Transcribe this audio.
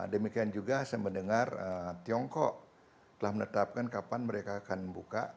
demikian juga saya mendengar tiongkok telah menetapkan kapan mereka akan buka